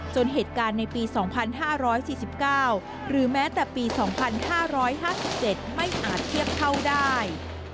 เหตุการณ์ในปี๒๕๔๙หรือแม้แต่ปี๒๕๕๗ไม่อาจเทียบเท่าได้